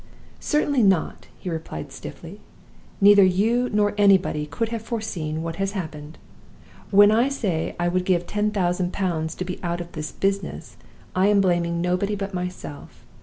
"'Certainly not,' he replied, stiffly. 'Neither you nor anybody could have foreseen what has happened. When I say I would give ten thousand pounds to be out of this business, I am blaming nobody but myself.